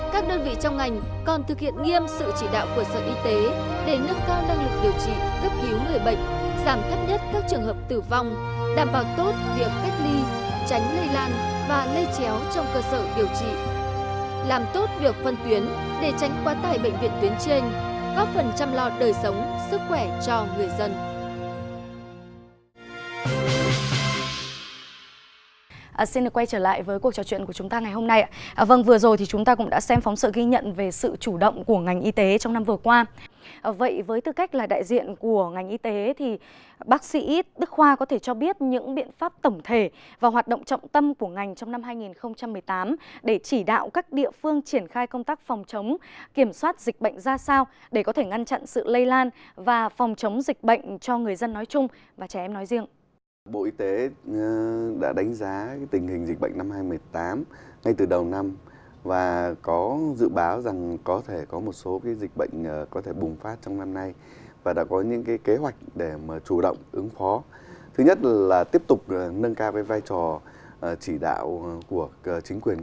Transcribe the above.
các đơn vị trong ngành còn thực hiện nghiêm sự chỉ đạo của sở y tế để nâng cao năng lực điều trị cấp cứu người bệnh giảm thấp nhất các trường hợp tử vong đảm bảo tốt việc cách ly tránh người lan